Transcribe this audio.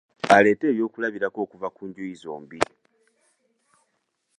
Aleete ebyokulabirako okuva ku njuyi zombi.